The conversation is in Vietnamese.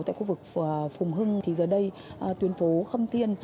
tại khu vực phùng hưng thì giờ đây tuyến phố khâm tiên